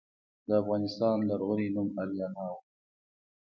د افغانستان لرغونی نوم اریانا و